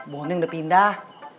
boning udah pindah